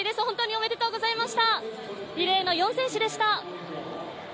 おめでとうございます！